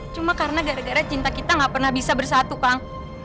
cuma karena gara gara cinta kita gak pernah bisa bersatu kang